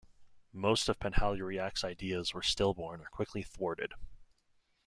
Most of Penhalluriack's ideas were stillborn or quickly thwarted.